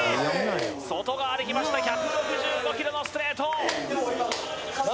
外側できました１６５キロのストレート